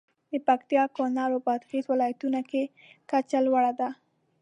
د پکتیا، کونړ او بادغیس ولایتونو کې کچه لوړه ده.